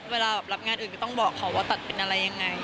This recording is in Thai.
เวลาแบบรับงานอื่นก็ต้องบอกเขาว่าตัดเป็นอะไรยังไง